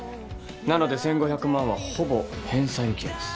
なので１，５００万はほぼ返済に消えます。